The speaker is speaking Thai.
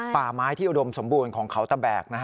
ป่าไม้ที่อุดมสมบูรณ์ของเขาตะแบก